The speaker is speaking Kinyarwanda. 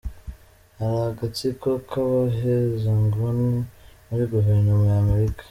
Hari agatsiko k’abahezanguni muri Guverinoma ya Amerika.